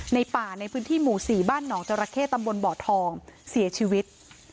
ในป่าในพื้นที่หมู่๔บ้านหนองจราเข้ตำบลบ่อทองเสียชีวิต